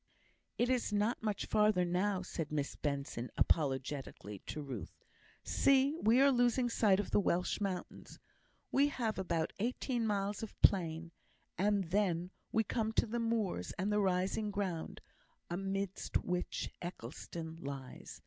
"It is not much further now," said Miss Benson, apologetically, to Ruth. "See! we are losing sight of the Welsh mountains. We have about eighteen miles of plain, and then we come to the moors and the rising ground, amidst which Eccleston lies.